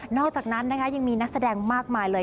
อกจากนั้นนะคะยังมีนักแสดงมากมายเลย